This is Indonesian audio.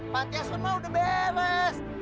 pantiasuh mah udah beres